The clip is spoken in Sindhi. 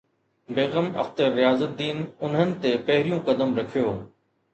بيگم اختر رياض الدين انهن تي پهريون قدم رکيو